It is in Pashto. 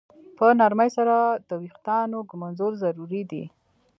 په نرمۍ سره د ویښتانو ږمنځول ضروري دي.